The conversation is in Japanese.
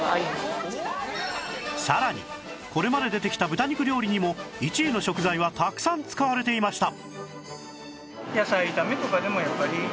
さらにこれまで出てきた豚肉料理にも１位の食材はたくさん使われていました